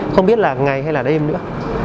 không biết là ngày hay là đêm nữa